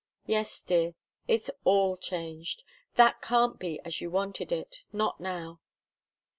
"Yes, dear, it's all changed. That can't be as you wanted it not now."